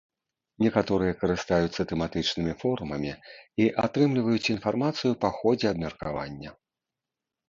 Некаторыя карыстаюцца тэматычнымі форумамі і атрымліваюць інфармацыю па ходзе абмеркавання.